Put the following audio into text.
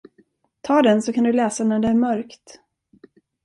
Ta den, så kan du läsa när det är mörkt.